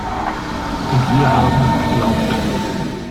Und wir haben es geglaubt.